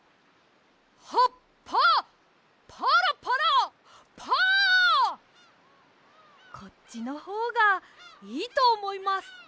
「葉っぱパラパラパー」こっちのほうがいいとおもいます。